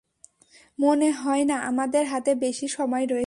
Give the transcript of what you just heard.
মনে হয় না আমাদের হাতে বেশি সময় রয়েছে।